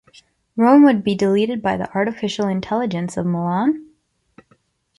Rome would be deleted by the artificial intelligence of Milan?